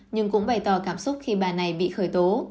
nhưng cũng bày tỏ cảm xúc khi bà này bị khởi tố